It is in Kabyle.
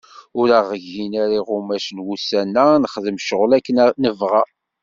Ur aɣ-gin ara iɣumac n wussan-a, ad nexdem ccɣel akken nebɣa.